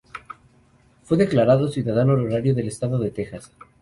Fue declarado ciudadano honorario del estado de Texas.